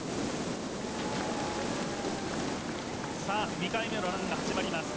２回目のランが始まります。